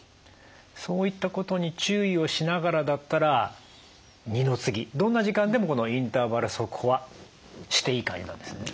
そういったことに注意をしながらだったら二の次どんな時間でもこのインターバル速歩はしていい感じなんですね？